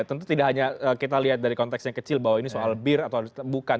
tentu tidak hanya kita lihat dari konteks yang kecil bahwa ini soal bir atau bukan